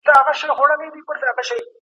سياسي مسايل په پوهنتونونو کي څېړل کيږي.